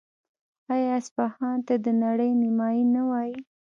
آیا اصفهان ته د نړۍ نیمایي نه وايي؟